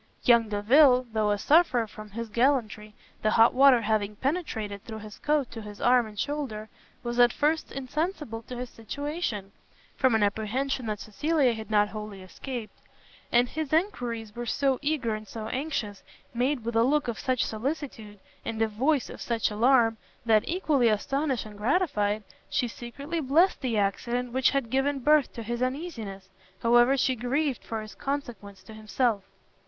Young Delvile, though a sufferer from his gallantry, the hot water having penetrated through his coat to his arm and shoulder, was at first insensible to his situation, from an apprehension that Cecilia had not wholly escaped; and his enquiries were so eager and so anxious, made with a look of such solicitude, and a voice of such alarm, that, equally astonished and gratified, she secretly blest the accident which had given birth to his uneasiness, however she grieved for its consequence to himself.